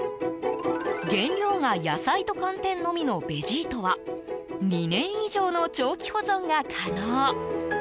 原料が野菜と寒天のみのベジートは２年以上の長期保存が可能。